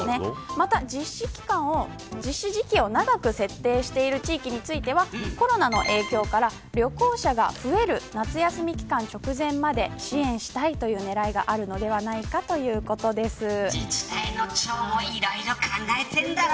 また実施時期を長く設定している地域についてはコロナの影響から旅行者が増える夏休み期間直前まで支援したいという狙いがあるのではないか自治体の長もいろいろ考えてるんだな。